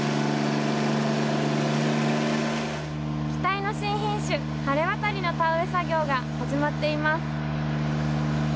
期待の新品種はれわたりの田植え作業が始まってます。